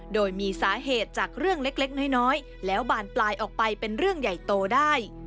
โดยมีสาเหตุจากเรื่องเล็กน้อยแล้วบานปลายออกไปเป็นเรื่องใหญ่โตได้